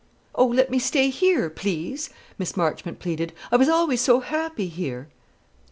"Oh, let me stay here, please," Miss Marchmont pleaded; "I was always so happy here!"